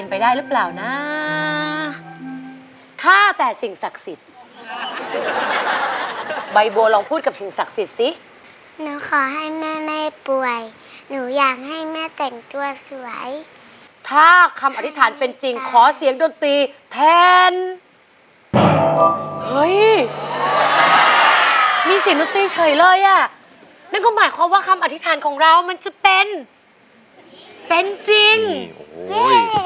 สักศิษย์ใบบัวลองพูดกับสิสักศิษย์สิขอให้แมไม่ป่วยหนูอยากให้แม่แต่งตัวสวยถ้าคำอธิษฐานเป็นจริงขอเสียงดนตรีแทนนี้เฉยเลยอ่ะนั้นก็หมายความว่าคำอธิษฐานของเรามันจะเป็นเป็นจริงเย้